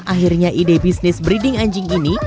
akhirnya ide bisnis breeding anjing ini